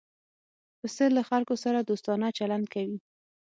پسه له خلکو سره دوستانه چلند کوي.